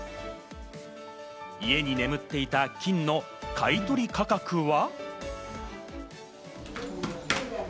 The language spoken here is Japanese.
家に眠っていた金の買い取り価格は？